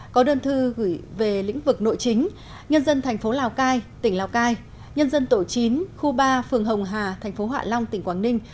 có đơn thư gửi về lĩnh vực nội chính nhân dân thành phố lào cai tỉnh lào cai nhân dân tổ chín khu ba phường hồng hà thành phố hạ long tỉnh quảng ninh